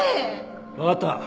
わかった。